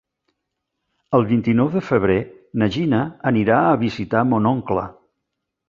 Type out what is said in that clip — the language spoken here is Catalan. El vint-i-nou de febrer na Gina anirà a visitar mon oncle.